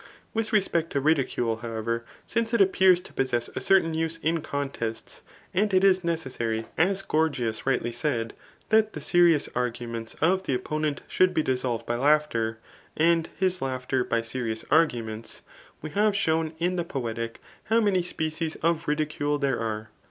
With respect to ridicule, however, since it appears to possess a certain use in contests, and it is necessary, aa Gorgias rightly said, that the serious arguments of the opponent should be dissolved by laughter, and his laugh ter by serious arguments, we have shown in the Poetic, how many species of ridicule there are.